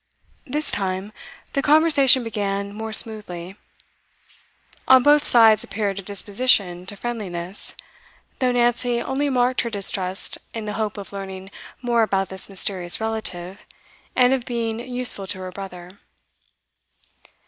This time, the conversation began more smoothly. On both sides appeared a disposition to friendliness, though Nancy only marked her distrust in the hope of learning more about this mysterious relative and of being useful to her brother.